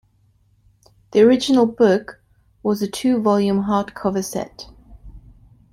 The original book was a two-volume hardcover set.